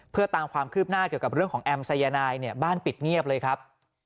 เพื่อตามความคืบหน้าเกี่ยวกับเรื่องของแอมสายนายเนี่ยบ้านปิดเงียบเลยครับ